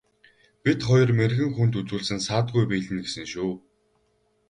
Бид хоёр мэргэн хүнд үзүүлсэн саадгүй биелнэ гэсэн шүү.